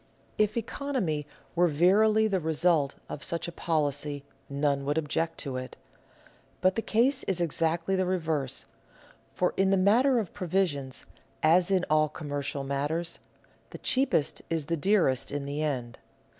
If economy were verily the result of such a policy none would object to it. But the case is exactly the reverse; for, in the matter of provisions, as in all commercial matters, the cheapest is the dearest in the end.